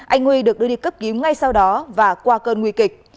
anh huy được đưa đi cấp cứu ngay sau đó và qua cơn nguy kịch